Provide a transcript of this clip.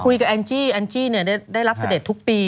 คุยกับแอนจี้แอนจี้เนี่ยได้รับเสด็จทุกปี